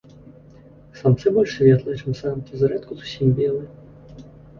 Самцы больш светлыя, чым самкі, зрэдку зусім белыя.